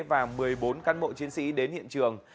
và một mươi bốn cán bộ chiến sĩ đến hiện trường